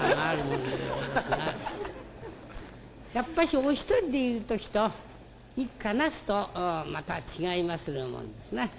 やっぱしお一人でいる時と一家なすとまた違いまするもんですな。